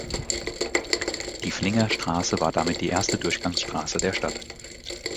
Die Flinger Straße war damit die erste Durchgangsstraße der Stadt.